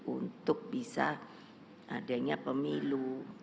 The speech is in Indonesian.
untuk bisa adanya pemilu